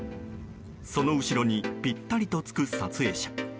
その後ろにぴったりとつく撮影者。